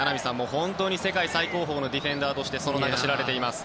本当に世界最高峰のディフェンダーとしてその名が知られています。